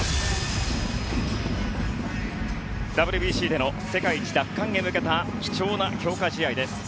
ＷＢＣでの世界一奪還へ向けた貴重な強化試合です。